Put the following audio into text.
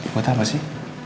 buat apa sih